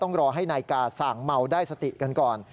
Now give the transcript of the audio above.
ต้องรอให้นายกาสั่งเมาได้สติกันก่อน